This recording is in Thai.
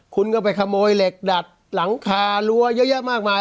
คุณก็ไปขโมยเหล็กดัดหลังคารั้วเยอะแยะมากมาย